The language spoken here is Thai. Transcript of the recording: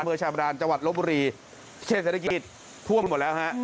เมือชายบรรดาจังหวัดลบบุรีเคศธิกิจท่วมหมดแล้วฮะ